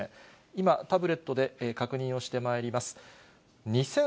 今、タブレットで確認をしてまいります。